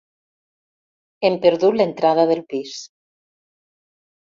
Hem perdut l'entrada del pis.